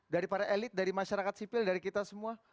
dari para elit dari masyarakat sipil dari kita semua